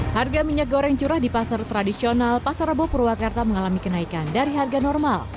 harga minyak goreng curah di pasar tradisional pasar rebo purwakarta mengalami kenaikan dari harga normal